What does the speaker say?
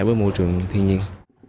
với môi trường thiên nhiên